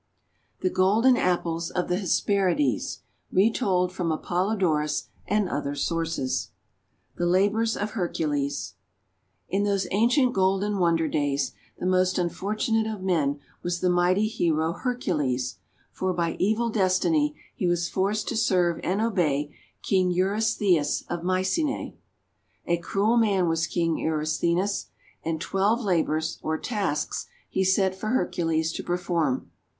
THE GOLDEN APPLES OF THE HESPERIDES Retold from Apollodorus and Other Sources THE LABOURS OF HERCULES IN those ancient golden wonder days, the most unfortunate of men was the mighty hero Her 206 THE WONDER GARDEN cules; for by evil Destiny he was forced to serve and obey King Eurystheus of Mycenae. A cruel man was King Eurystheus, and twelve labours or tasks he set for Hercules to perform.